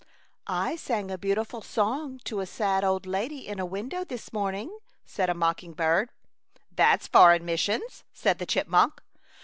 " I sang a beautiful song to a sad old lady in a window, this morning/' said a mocking bird. " That s foreign missions/' said the chipmunk.